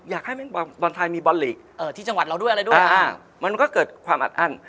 อยากให้บอลไทยมีบอลลีกมันก็เกิดความอัดอั้น